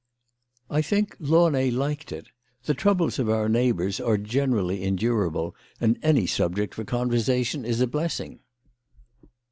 I think Launay liked ift The troubles of our neigh bours are generally endurable, and any subject for conversation is a blessing.